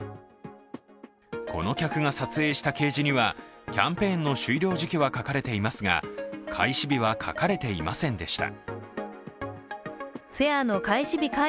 この客が撮影した掲示にはキャンペーンの終了時期は書かれていますが、開始日は書かれていませんでした。